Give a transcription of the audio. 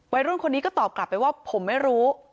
วัยรุ่นคนนี้ก็ตอบกลับไปว่าผมไม่รู้